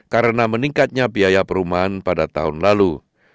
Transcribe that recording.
karena meningkatnya biaya perumahan pada tahun lalu